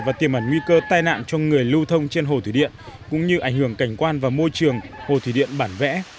và tiềm ẩn nguy cơ tai nạn cho người lưu thông trên hồ thủy điện cũng như ảnh hưởng cảnh quan và môi trường hồ thủy điện bản vẽ